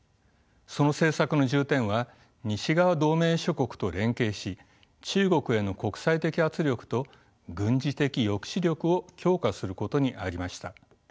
その政策の重点は西側同盟諸国と連携し中国への国際的圧力と軍事的抑止力を強化することにありました。